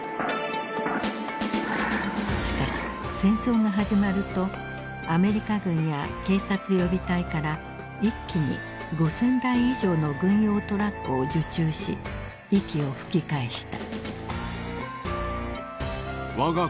しかし戦争が始まるとアメリカ軍や警察予備隊から一気に５，０００台以上の軍用トラックを受注し息を吹き返した。